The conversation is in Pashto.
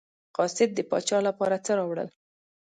قاصد د پاچا لپاره څه راوړل.